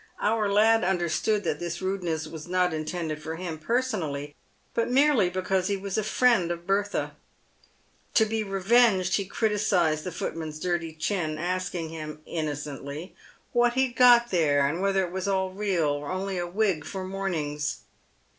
Our lad understood that this rudeness was not intended for him per sonally, but merely because he was a friend of Bertha. To be re venged, he criticised the footman's dirty chin, asking him, innocently, what he'd got there, and whether it was all real, or only a wig for morn ings